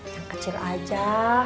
yang kecil aja